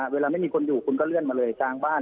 ไม่มีคนอยู่คุณก็เลื่อนมาเลยกลางบ้าน